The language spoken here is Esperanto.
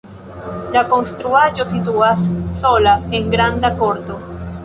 La konstruaĵo situas sola en granda korto.